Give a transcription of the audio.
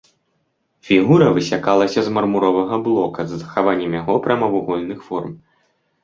Фігура высякалася з мармуровага блока з захаваннем яго прамавугольных форм.